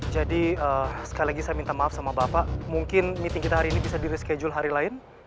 jadi sekali lagi saya minta maaf sama bapak mungkin meeting kita hari ini bisa di reschedule hari lain